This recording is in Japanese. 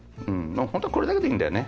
ホントはこれだけでいいんだよね。